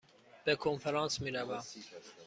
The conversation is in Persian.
به کنفرانس می روم.